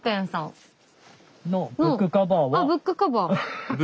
あブックカバー。